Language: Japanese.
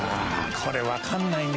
これわかんないね